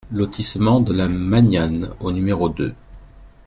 Lotissement de la Magnane au numéro deux